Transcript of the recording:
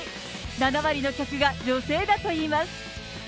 ７割の客が女性だといいます。